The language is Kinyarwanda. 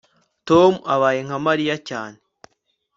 Tom abaye nka Mariya cyane